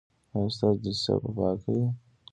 ایا ستاسو دوسیه به پاکه وي؟